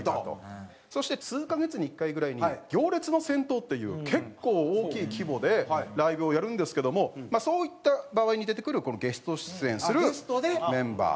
そして数カ月に１回ぐらいに「行列の先頭」っていう結構大きい規模でライブをやるんですけどもそういった場合に出てくるこのゲスト出演するメンバー。